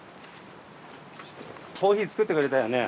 コーヒー作ってくれたよね？